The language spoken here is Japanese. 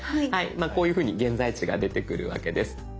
こういうふうに現在地が出てくるわけです。